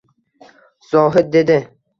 Zohid dedi